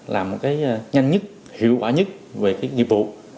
làm cái nhanh nhất hiệu quả nhất về cái nhiệm vụ